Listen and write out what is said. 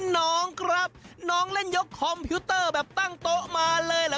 น้องครับน้องเล่นยกคอมพิวเตอร์แบบตั้งโต๊ะมาเลยเหรอ